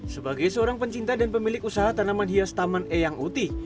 sebagai seorang pencinta dan pemilik usaha tanaman hias taman eyang uti